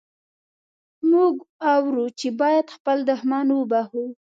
موږ اورو چې باید خپل دښمن وبخښو.